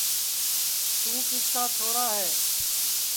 توں کِس کا چھورا ہے